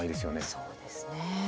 そうですね。